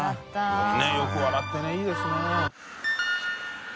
佑よく笑ってねいいですね。